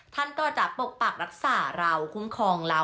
ท่านก็จะปกปักรักษาเราคุ้มครองเรา